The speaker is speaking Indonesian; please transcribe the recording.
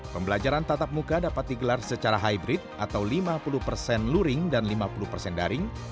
pembelajaran tatap muka dapat digelar secara hybrid atau lima puluh persen luring dan lima puluh persen daring